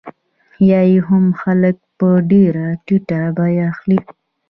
یا یې هم خلک په ډېره ټیټه بیه اخلي